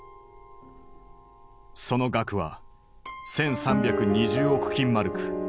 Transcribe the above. その額は１，３２０億金マルク。